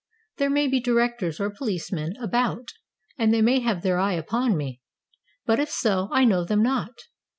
There may be directors or poHcemen about, and they may have their eye upon me ; but if so, I know them not.